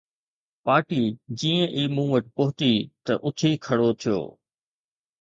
party جيئن ئي مون وٽ پهتي ته اٿي کڙو ٿيو